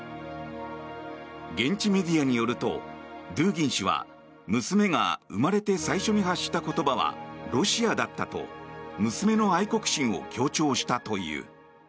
現地メディアによるとドゥーギン氏は娘が生まれて最初に発した言葉はロシアだったと娘の愛国心を強調したという。